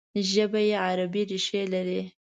ژبه یې عبري ریښې لري.